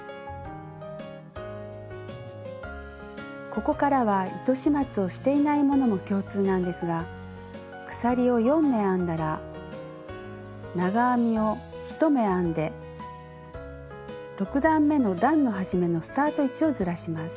ここからは糸始末をしていないものも共通なんですが鎖を４目編んだら長編みを１目編んで６段めの段の始めのスタート位置をずらします。